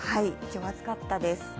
今日は暑かったです。